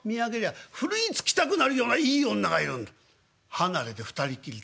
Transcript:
離れで２人っきり。